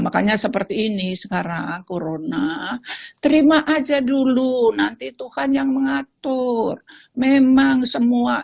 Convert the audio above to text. makanya seperti ini sekarang corona terima aja dulu nanti tuhan yang mengatur memang semua